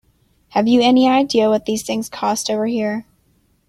Have you any idea what these things cost over here?